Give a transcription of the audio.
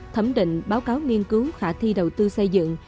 thẩm định báo cáo nghiên cứu khả thi đầu tư xây dựng